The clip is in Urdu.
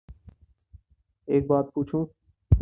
ایک بات پو چوں